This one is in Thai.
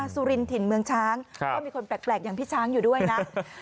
สุรินถิ่นเมืองช้างก็มีคนแปลกอย่างพี่ช้างอยู่ด้วยนะ